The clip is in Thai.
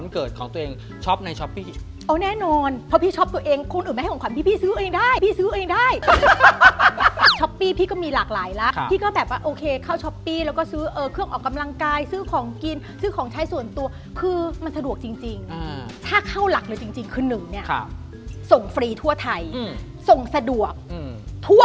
ไม่ได้สิเดี๋ยวหน้ารถนี่ตั้งแต่หน้าดาบนี้นะ